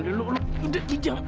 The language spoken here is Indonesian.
aduh lo udah dijang